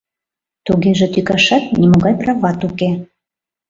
Тугеже тӱкашат нимогай прават уке.